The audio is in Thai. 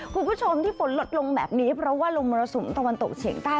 ผู้ชมที่ฟนลดลงเพราะว่ารมณสุมตะวันโตเฉียงใต้